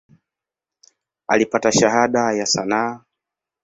Alipata Shahada ya sanaa.